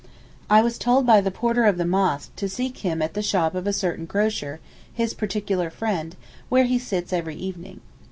I was told by the porter of the mosque to seek him at the shop of a certain grocer, his particular friend, where he sits every evening.